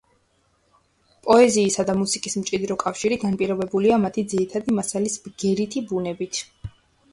პოეზიისა და მუსიკის მჭიდრო კავშირი განპირობებულია მათი ძირითადი მასალის ბგერითი ბუნებით.